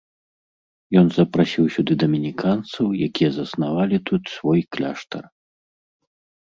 Ён запрасіў сюды дамініканцаў, які заснавалі тут свой кляштар.